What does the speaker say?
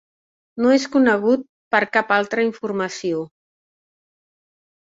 No és conegut per cap altra informació.